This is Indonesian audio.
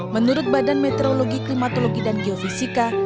menurut badan meteorologi klimatologi dan geofisika